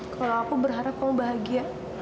kalau aku berharap kamu bahagia